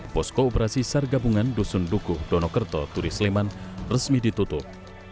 posko operasi sargabungan dusun dukuh dono kerto turi sleman resmi ditutup